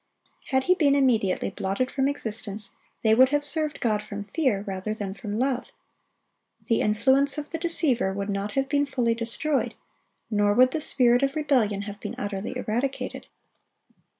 Had he been immediately blotted from existence, they would have served God from fear, rather than from love. The influence of the deceiver would not have been fully destroyed, nor would the spirit of rebellion have been utterly eradicated.